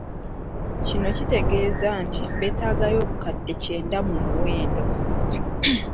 Kino kitegeeza nti beetaagayo obukadde kyenda mu mwenda.